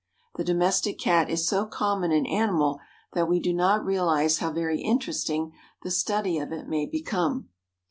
The Domestic Cat is so common an animal that we do not realize how very interesting the study of it may become.